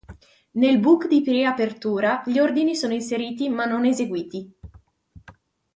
Nel book di pre-apertura gli ordini sono inseriti ma non eseguiti.